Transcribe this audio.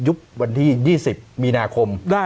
ยุกตร์ให้วันที่๒๐มีนาคม